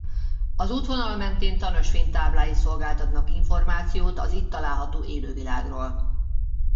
Az útvonal mentén tanösvény táblái szolgáltatnak információt az itt található élővilágról.